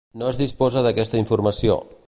No es disposa d'aquesta informació.